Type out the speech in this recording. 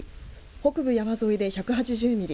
北部山沿いで１８０ミリ